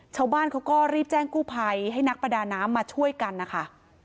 ชาวบ้านเขาก็รีบแจ้งกู้ภัยให้นักประดาน้ำมาช่วยกันนะคะ